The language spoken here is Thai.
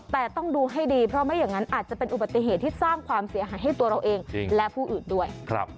แต่ต้องดูให้ดีเพราะไม่อย่างนั้นอาจจะเป็นอุบัติเหตุที่สร้างความเสียหายให้ตัวเราเองและผู้อื่นด้วย